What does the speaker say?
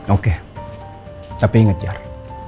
oke tapi inget jar